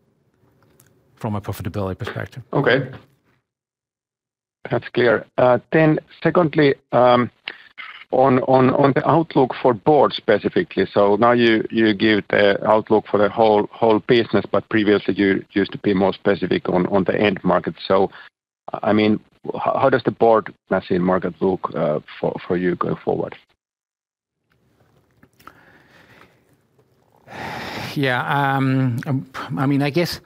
from a profitability perspective. Okay. That's clear. Then secondly, on the outlook for Board specifically. So now you gave the outlook for the whole business, but previously you used to be more specific on the end market. So I mean, how does the board, I think, market look for you going forward? JOSE Yeah. I mean, I guess,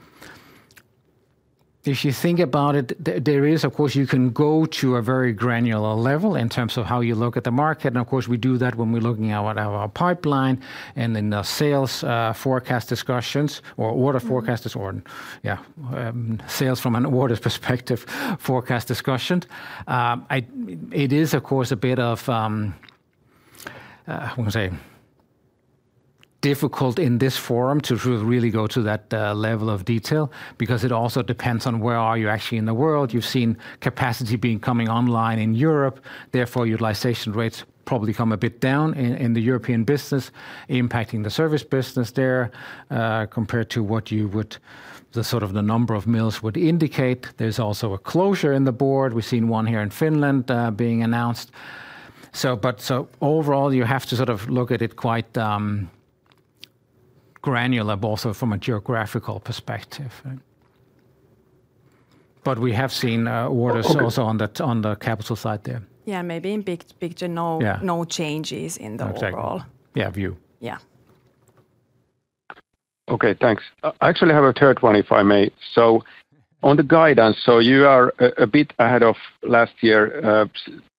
if you think about it, there is of course you can go to a very granular level in terms of how you look at the market. And of course, do that when we're looking at our pipeline and in the sales forecast discussions or order forecast or is sales from an orders perspective forecast discussion. It is of course a bit of I want to say difficult in this forum to really go to that level of detail because it also depends on where are you actually in the world. You've seen capacity being coming online in Europe. Therefore utilization rates probably come a bit down in the European business impacting the service business there compared to what you would the sort of the number of mills would indicate. There's also a closure in the board. We've seen one here in Finland being announced. So but overall you have to sort of look at it quite granular also from a geographical perspective. We have seen orders also on the capital side there. Maybe in big picture no changes in the overall view. Okay. I actually have a third one, if I may. So on the guidance, so you are a bit ahead of last year,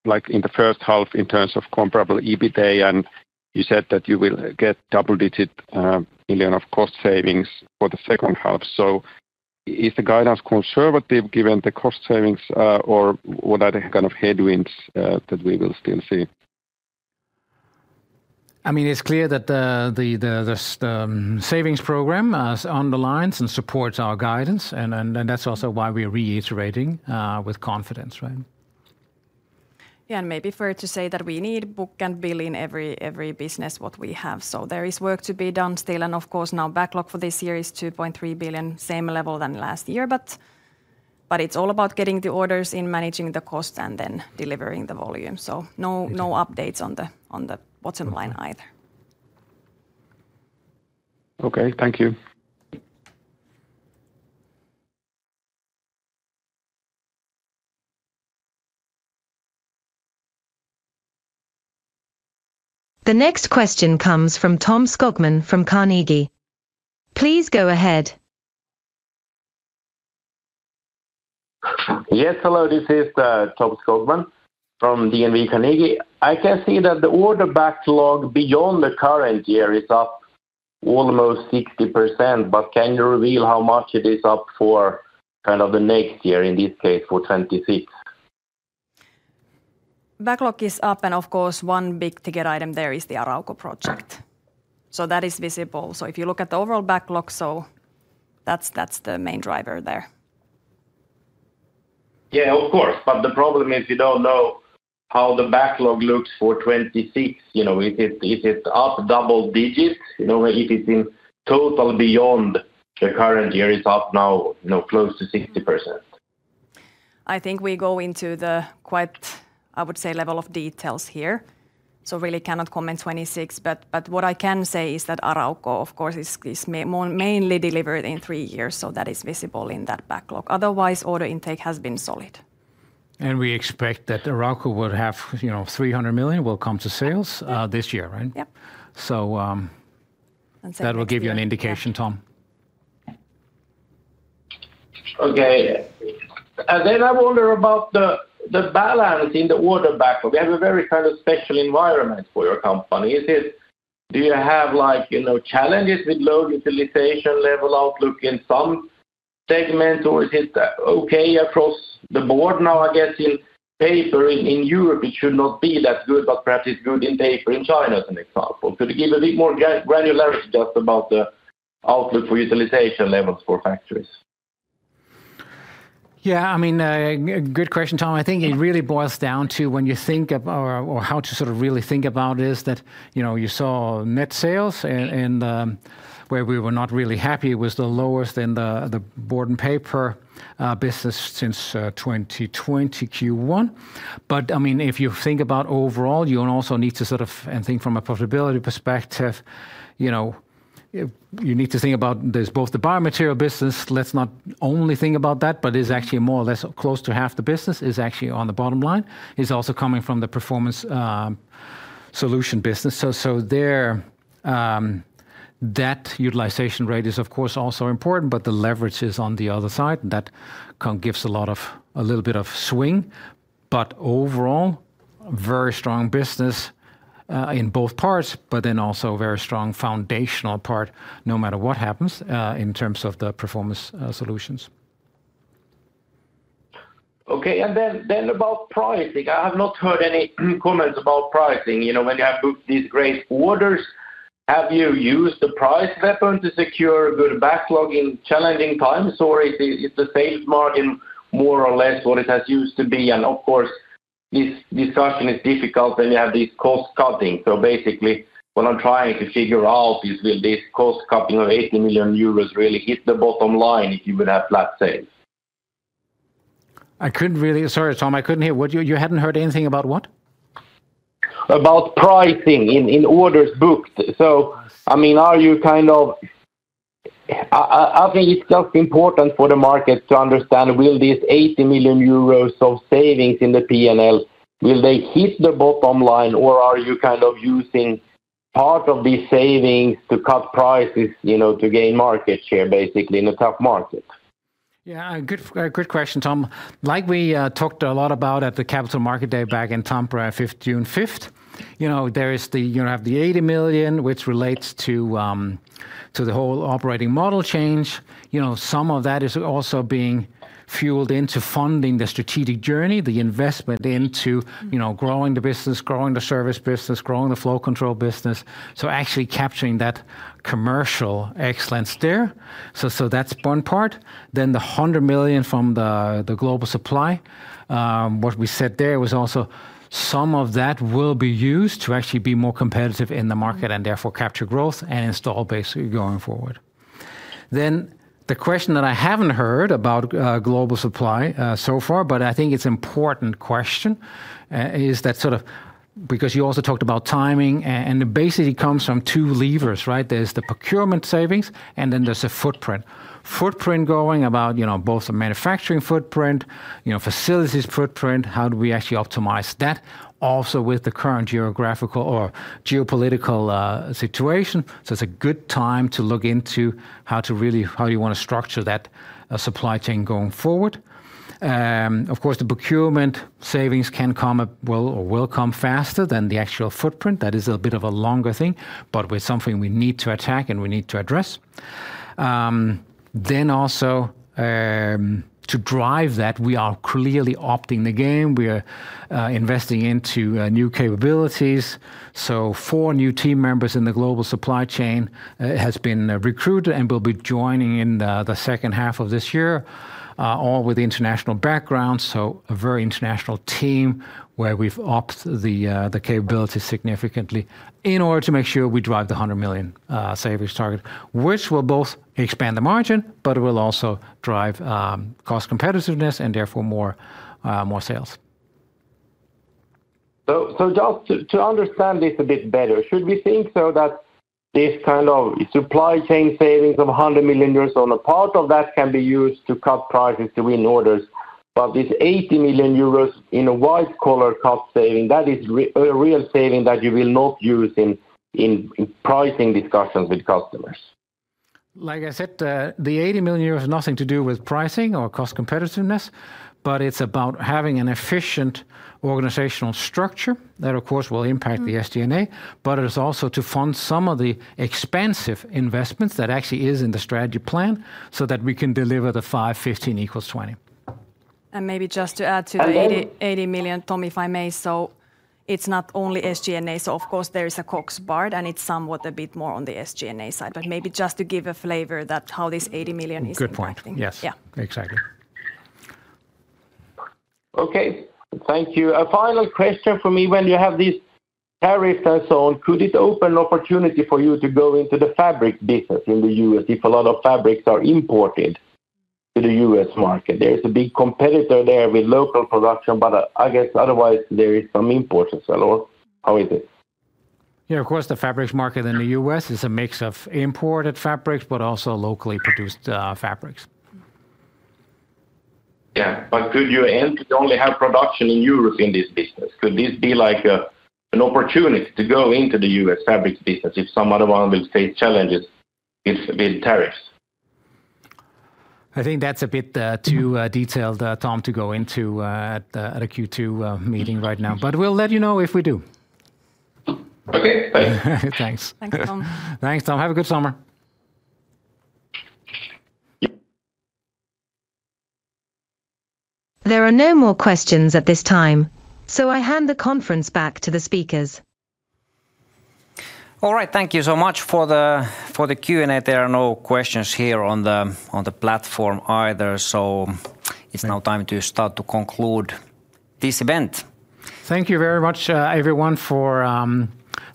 like in the first half in terms of comparable EBITA. And you said that you will get double digit million of cost savings for the second half. So is the guidance conservative given the cost savings? Or what are the kind of headwinds that we will still see? I mean, it's clear that the savings program underlines and supports our guidance. And that's also why we're reiterating with confidence, right? Yes. And maybe fair to say that we need book and bill in every business So there is work to be done still. And of course, now backlog for this year is €2,300,000,000 same level than last year. It's all about getting the orders in managing the cost and then delivering the volume. So no updates on the bottom line either. The next question comes from Tom Skogman from Carnegie. Please go ahead. Yes. Hello, this is Tom Skogman from DNB Carnegie. I can see that the order backlog beyond the current year is up almost 60%. But can you reveal how much it is up for kind of the next year, in this case for 2026? Backlog is up. And of course, one big ticket item there is the Arauco project. So that is visible. So if you look at the overall backlog, that's the main driver there. Yes, of course. But the problem is you don't know how the backlog looks for 2026. Is it up double digits? If it's in total beyond the current year, it's up now close to 60%. I think we go into the quite, I would say, level of details here. So really cannot comment 26%. But what I can say is that Arauco, of course, is mainly delivered in three years, so that is visible in that backlog. Otherwise, order intake has been solid. And we expect that the Raukoo would have €300,000,000 will come to sales this year, right? Yes. So that will give you an indication, Tom. Okay. And then I wonder about the balance in the order backlog. We have a very kind of special environment for your company. Is it do you have like challenges with low utilization level outlook in some segments? Or is it okay across the board now? Guess in paper in Europe, should not be that good, but perhaps it's good in paper in China as an example. Could you give a bit more granularity just about the outlook for utilization levels for factories? Yes. I mean, good question Tom. I think it really boils down to when you think of or how to sort of really think about is that you saw net sales and where we were not really happy was the lowest in the board and paper business since twenty twenty Q1. But I mean, if you think about overall, you also need to sort of and think from a profitability perspective, you need to think about this both the biomaterial business, let's not only think about that, but it's actually more or less close to half the business is actually on the bottom line. It's also coming from the Performance Solutions business. There that utilization rate is of course also important, but the leverage is on the other side and that gives a lot of a little bit of swing. But overall very strong business in both parts, but then also very strong foundational part no matter what happens in terms of the Performance Solutions. Okay. And then about pricing, I have not heard any comments about pricing. When you have booked these great orders, have you used the price weapon to secure a good backlog in challenging times? Or is the sales margin more or less what it has used to be? And of course, this discussion is difficult when you have these cost cutting. So basically, what I'm trying to figure out is will this cost cutting of €80,000,000 really hit the bottom line if you would have flat sales? I couldn't really sorry, Tom, I couldn't hear what you you hadn't heard anything about what? About pricing in orders booked. So I mean, are you kind of I think it's just important for the market to understand will this €80,000,000 of savings in the P and L, will they hit the bottom line or are you kind of using part of these savings to cut prices to gain market share basically in a tough market? Yes. Good question, Tom. Like we talked a lot about at the Capital Market Day back in Tampere, June 5, there is the you have the €80,000,000 which relates to the whole operating model change. Some of that is also being fueled into funding the strategic journey, the investment into growing the business, growing the service business, growing the flow control business, so actually capturing that commercial excellence there. So that's one part. Then the €100,000,000 from the global supply, what we said there was also some of that will be used to actually be more competitive in the market and therefore capture growth and install base going forward. Then the question that I haven't heard about global supply so far, but I think it's important question, is that sort of because you also talked about timing and it basically comes from two levers, right? There's the procurement savings and then there's a footprint. Footprint going about both the manufacturing footprint, facilities footprint, how do we actually optimize that also with the current geographical or geopolitical situation. So it's a good time to look into how to really how you want to structure that supply chain going forward. Of course, the procurement savings can come up well or will come faster than the actual footprint. That is a bit of a longer thing, but with something we need to attack and we need to address. Then also to drive that, we are clearly opting the game. We are investing into new capabilities. So four new team members in the global supply chain has been recruited and will be joining in the second half of this year, all with international background. So a very international team where we've upped the capability significantly in order to make sure we drive the €100,000,000 savings target, which will both expand the margin, but it will also drive cost competitiveness and therefore more sales. So just to understand this a bit better, should we think so that this kind of supply chain savings of 100,000,000 on a part of that can be used to cut prices to win orders, but this 80,000,000 euros in a white collar cost saving, that is a real saving that you will not use in pricing discussions with customers? Like I said, €80,000,000 has nothing to do with pricing or cost competitiveness, but it's about having an efficient organizational structure that of course will impact the SG and A, but it is also to fund some of the expensive investments that actually is in the strategy plan so that we can deliver the 5.15 equals 20. And maybe just to add to the 80,000,000, Tom, if I may. So it's not only SG and A. So of course, there is a COGS bar, and it's somewhat a bit more on the SG and A side. But maybe just to give a flavor that how this €80,000,000 is Good point. Exactly. Okay. Thank you. A final question for me. When you have these tariffs and so on, could it open opportunity for you to go into the fabric business in The U. S. If a lot of fabrics are imported to The U. S. Market? There is a big competitor there with local production, but I guess otherwise there is some imports as well. Is it? Yes. Of course, the fabrics market in The U. S. Is a mix of imported fabrics, but also locally produced fabrics. Yes. But could you end to only have production in Europe in this business? Could this be like an opportunity to go into The U. S. Fabrics business if some other one will face challenges with tariffs? I think that's a bit too detailed Tom to go into at a Q2 meeting right now. But we'll let you know if we do. Okay. Thanks. Thanks Tom. Thanks Tom. Have a good summer. There are no more questions at this time. So I hand the conference back to the speakers. All right. Thank you so much for the Q and A. There are no questions here on the platform either. It's now time to start to conclude this event. Thank you very much everyone for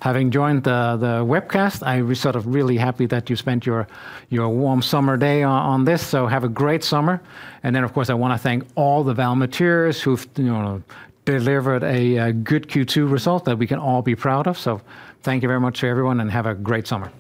having joined the webcast. I was sort of really happy that you spent your warm summer day on this. So have a great summer. And then of course, I want to thank all the Valmaterials who've delivered a good Q2 result that we can all be proud of. So thank you very much to everyone and have a great summer.